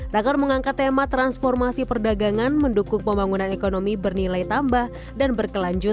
raker mengangkat tema transformasi perdagangan mendukung pembangunan ekonomi bernilai tambah dan berkelanjutan